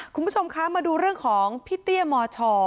คุณผู้ชมคะมาดูเรื่องของพี่เตี้ยมช